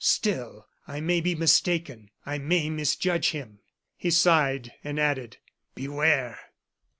Still I may be mistaken; I may misjudge him." He sighed, and added: "Beware!"